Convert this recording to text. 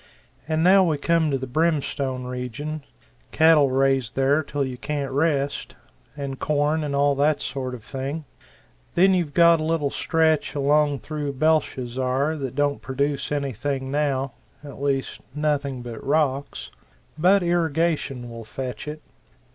And now we come to the Brimstone region cattle raised there till you can't rest and corn, and all that sort of thing. Then you've got a little stretch along through Belshazzar that don't produce anything now at least nothing but rocks but irrigation will fetch it.